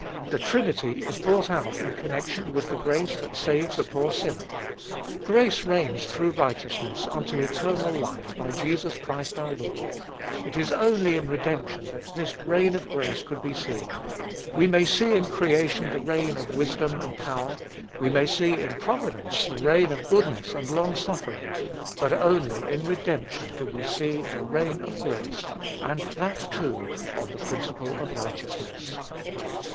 The Trinity is brought out in connection with the grace that saves a poor sinner. "Grace reigns through righteousness, unto eternal life, by Jesus Christ our Lord." It is only in redemption that this reign of grace could be seen. We may see in creation the reign of wisdom and power; we may see in providence the reign of goodness and long suffering; but only in redemption do we see the reign of grace, and that, too, on the principle of righteousness.